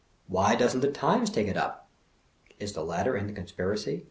Why doesn't The Times take it up? (Is the latter in the con spiracy?